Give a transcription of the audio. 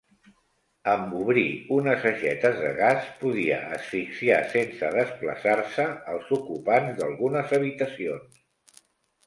Amb obrir unes aixetes de gas, podia asfixiar sense desplaçar-se als ocupants d'algunes habitacions.